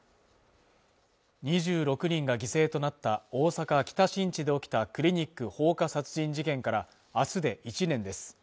２６人が犠牲となった大阪北新地で起きたクリニック放火殺人事件からあすで１年です